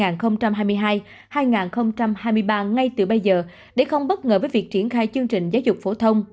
giai đoạn hai nghìn hai mươi hai hai nghìn hai mươi ba ngay từ bây giờ để không bất ngờ với việc triển khai chương trình giáo dục phổ thông